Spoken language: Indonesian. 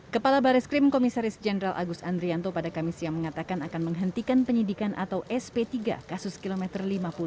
kepala baris krim komisaris jenderal agus andrianto pada kamis yang mengatakan akan menghentikan penyidikan atau sp tiga kasus kilometer lima puluh